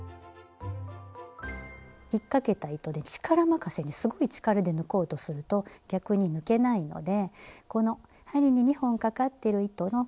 ひっかけた糸で力任せにすごい力で抜こうとすると逆に抜けないのでこの針に２本かかってる糸のこれをね